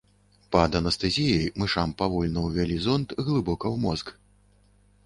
Пад анестэзіяй мышам павольна ўвялі зонд глыбока ў мозг.